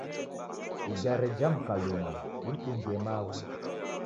Igare jamuka luma dimdungie maghu